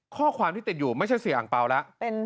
ข้อความที่ติดอยู่ไม่ใช่เสียอังเปล่าแล้ว